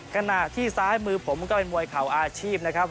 ขณะที่ซ้ายมือผมก็เป็นมวยเข่าอาชีพนะครับ